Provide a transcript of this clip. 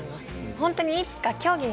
ホントに。